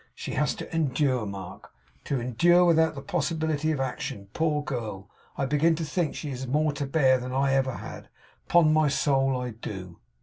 She has to endure, Mark; to endure without the possibility of action, poor girl! I begin to think that she has more to bear than ever I had. Upon my soul I do!